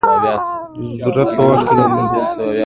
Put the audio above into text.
د ضرورت په وخت کې نامردي وکړه.